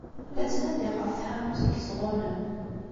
La ttnadiɣ ɣef tḥanut n yisɣunen.